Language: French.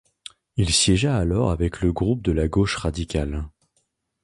Il siégea alors avec le groupe de la Gauche radicale.